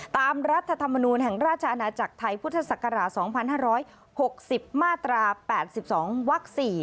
รัฐธรรมนูลแห่งราชอาณาจักรไทยพุทธศักราช๒๕๖๐มาตรา๘๒วัก๔